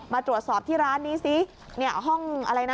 มาตรวจสอบที่ร้านนี่สิ